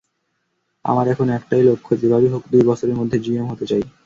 আমার এখন একটাই লক্ষ্য—যেভাবেই হোক দুই বছরের মধ্যে জিএম হতে চাই।